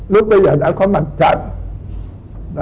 lúc bây giờ đã có mặt trạng